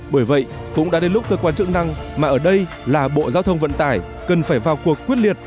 bởi vậy cũng đã đến lúc cơ quan chức năng mà ở đây là bộ giao thông vận tải cần phải vào cuộc quyết liệt